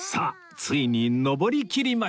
ついに上りきりました